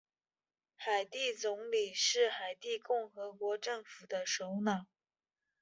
海地总理是海地共和国政府的首脑。